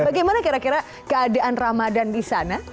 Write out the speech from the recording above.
bagaimana kira kira keadaan ramadan di sana